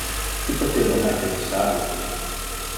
Chi poteva mai pensarlo?